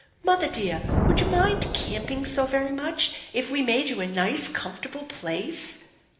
Mother dear, would you mind camping so very much if we made you a nice, comfortable place?"